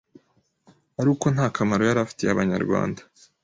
ari uko nta kamaro yari afitiye Abanyarwanda